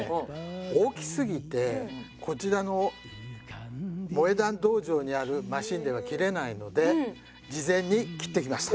大きすぎてこちらの萌え断道場にあるマシンでは切れないので事前に切ってきました。